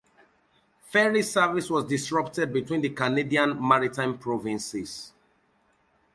Ferry service was disrupted between the Canadian Maritime provinces.